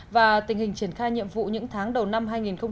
và tình hình triển khai nhiệm vụ những tháng đầu năm hai nghìn một mươi bảy